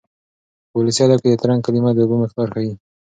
په ولسي ادب کې د ترنګ کلمه د اوبو مقدار ښيي.